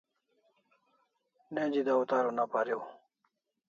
Neji dawtar una pariu